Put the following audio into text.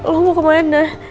lo mau kemana